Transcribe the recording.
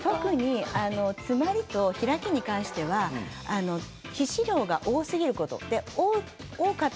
詰まりと開きに関しては皮脂量が多すぎること。